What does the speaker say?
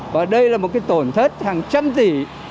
và đây là một cái tổn thất hàng trăm tỷ